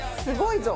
すごい！